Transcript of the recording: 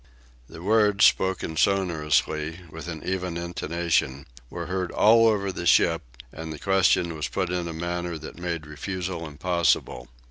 The words, spoken sonorously, with an even intonation, were heard all over the ship, and the question was put in a manner that made refusal impossible.